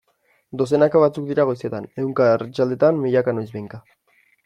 Dozenaka batzuk dira goizetan, ehunka arratsaldetan, milaka noizbehinka...